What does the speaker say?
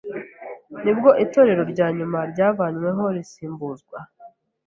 nibwo Itorero rya nyuma ryavanyweho risimbuzwa